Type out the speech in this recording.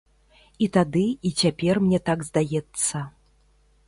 І тады, і цяпер мне так здаецца.